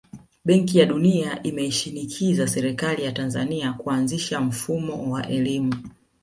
Benki ya dunia imeishinikiza serikali ya Tanzania kuanzisha mfumo wa elimu